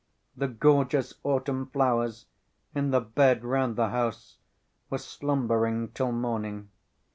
The gorgeous autumn flowers, in the beds round the house, were slumbering till morning.